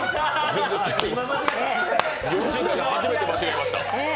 ４０代、初めて間違えました。